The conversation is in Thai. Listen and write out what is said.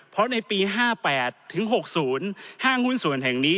เพราะในปี๕๘ถึง๖๐ห้างหุ้นส่วนแห่งนี้